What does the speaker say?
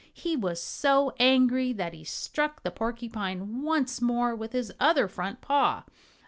He was so angry that he struck the porcupine once more with his other front paw.